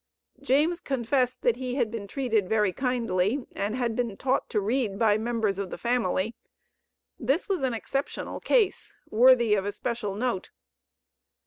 James confessed that he had been treated very kindly, and had been taught to read by members of the family. This was an exceptional case, worthy of especial note.